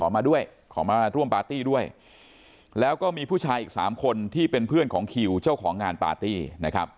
มาด้วยขอมาร่วมปาร์ตี้ด้วยแล้วก็มีผู้ชายอีกสามคนที่เป็นเพื่อนของคิวเจ้าของงานปาร์ตี้นะครับ